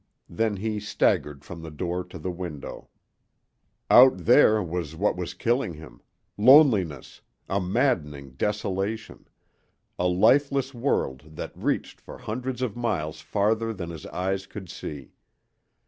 Then he staggered from the door to the window. Out there was what was killing him loneliness, a maddening desolation, a lifeless world that reached for hundreds of miles farther than his eyes could see.